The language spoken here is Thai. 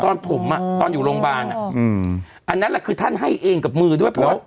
ตอนผมอ่ะตอนอยู่โรงพยาบาลอันนั้นแหละคือท่านให้เองกับมือด้วยเพราะว่า